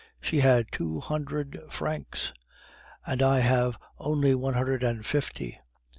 She had two hundred francs! And I have only one hundred and fifty!